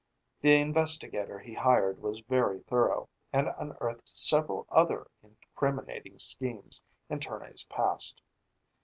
The investigator he hired was very thorough, and unearthed several other incriminating schemes in Tournay's past.